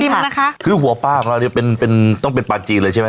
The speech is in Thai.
นะคะคือหัวปลาของเราเนี่ยเป็นเป็นต้องเป็นปลาจีนเลยใช่ไหม